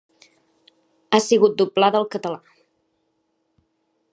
Ha sigut doblada al català.